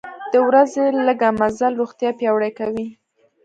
د ورځې لږه مزل روغتیا پیاوړې کوي.